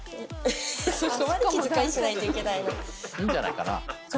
いいんじゃないかな。